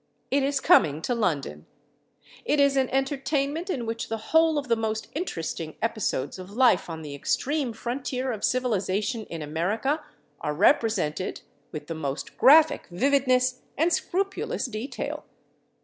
It is coming to London. It is an entertainment in which the whole of the most interesting episodes of life on the extreme frontier of civilization in America are represented with the most graphic vividness and scrupulous detail.